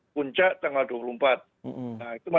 padahal pergerakan itu sebenarnya ketika pemerintah mengumumkan